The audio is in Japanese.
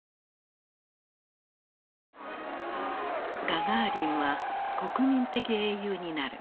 ガガーリンは国民的英雄になる。